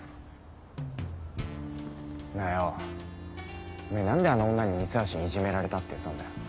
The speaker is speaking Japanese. なぁようおめぇ何であの女に三橋にいじめられたって言ったんだよ？